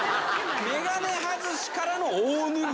メガネ外しからの大拭い。